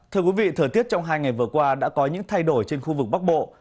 thưa quý vị thời tiết trong hai ngày vừa qua đã có những thay đổi trên khu vực bắc bộ